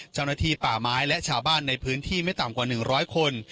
เจ้าหน้าที่ป่าไม้และชาวบ้านในพื้นที่ไม่ต่ำกว่า๑๐๐คน